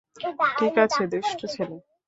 ঠিক আছে, দুষ্টু ছেলে!